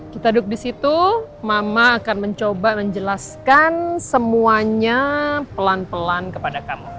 kita duduk di situ mama akan mencoba menjelaskan semuanya pelan pelan kepada kamu